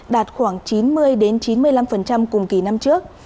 đạt khoảng chín mươi chín mươi năm cùng kỳ năm trước